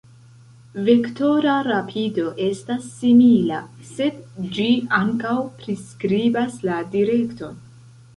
Vektora rapido estas simila, sed ĝi ankaŭ priskribas la direkton.